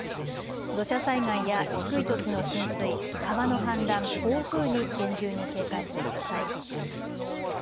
土砂災害や低い土地の浸水、川の氾濫、暴風に厳重に警戒してください。